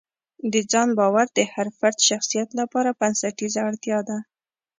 د ځان باور د هر فرد شخصیت لپاره بنسټیزه اړتیا ده.